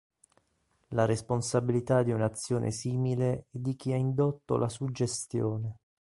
La responsabilità di un'azione simile è di chi ha indotto la suggestione.